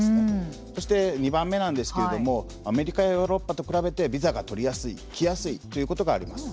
そして、２番目なんですけれどもアメリカやヨーロッパと比べてビザが取りやすい来やすいということがあります。